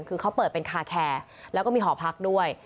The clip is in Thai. คือเขาเปิดเป็นคาแคร์แล้วก็มีหอพักด้วย